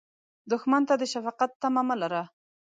دښمن ته د شفقت تمه مه لره